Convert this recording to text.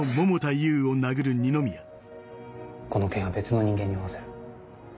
この件は別の人間に追わせる。